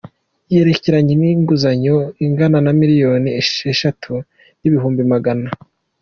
yerekeranye n‟inguzanyo ingana na miliyoni esheshatu n‟ibihumbi magana